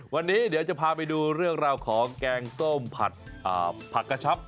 วันนี้เดี๋ยวจะพาไปดูเรื่องราวของแกงส้มผัดผักกระชับ